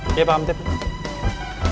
iya pak amtid